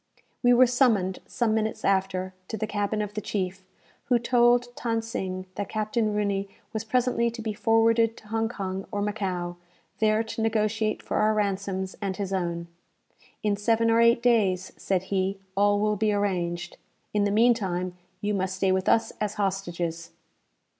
We were summoned, some few minutes after, to the cabin of the chief, who told Than Sing that Captain Rooney was presently to be forwarded to Hong Kong or Macao, there to negotiate for our ransoms and his own. "In seven or eight days," said he, "all will be arranged. In the meantime you must stay with us as hostages."